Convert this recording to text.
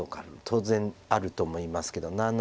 当然あると思いますけど。